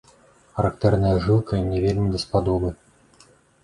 Характэрная жылка, і мне вельмі даспадобы.